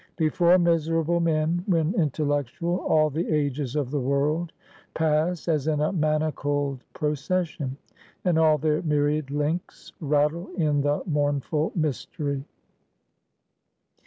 Before miserable men, when intellectual, all the ages of the world pass as in a manacled procession, and all their myriad links rattle in the mournful mystery.